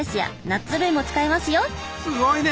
すごいね！